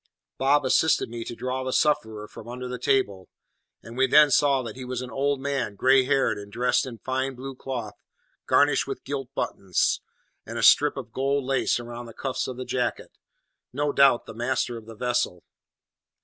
Bob assisted me to draw the sufferer from under the table; and we then saw that he was an old man, grey haired, and dressed in fine blue cloth garnished with gilt buttons, and a strip of gold lace round the cuffs of the jacket; no doubt the master of the vessel.